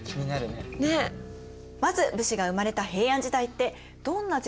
まず武士が生まれた平安時代ってどんな時代だったんでしょうか？